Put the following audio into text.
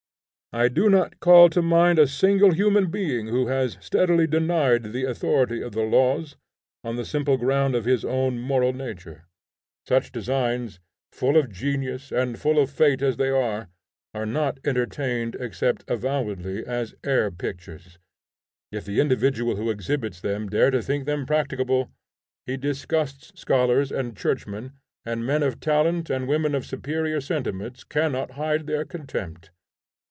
I do not call to mind a single human being who has steadily denied the authority of the laws, on the simple ground of his own moral nature. Such designs, full of genius and full of fate as they are, are not entertained except avowedly as air pictures. If the individual who exhibits them dare to think them practicable, he disgusts scholars and churchmen; and men of talent and women of superior sentiments cannot hide their contempt.